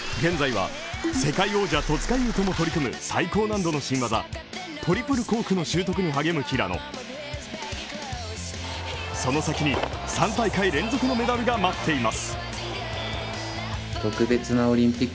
現在は世界王者戸塚優斗も取り組む最高難度の新技トリプルコークの習得に励む平野その先に３大会連続のメダルが待っています。